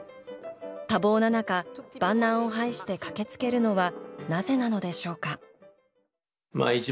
多忙な中万難を排して駆けつけるのはなぜなのでしょうか？